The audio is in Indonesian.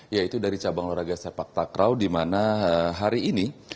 yaitu dari cabang olahraga sepak takraw di mana hari ini